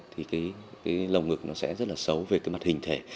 thì cái lồng ngực nó sẽ rất là xấu về cái mặt hình thể